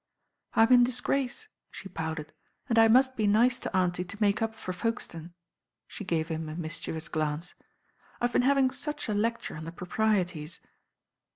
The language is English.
"I'm in disgrace," she pouted, "and I must be nice to auntie to make up for Folkestone." She gave him a mischievous glance. "IVe been having such a lecture on the proprieties."